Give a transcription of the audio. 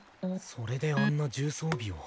それであんな重装備を。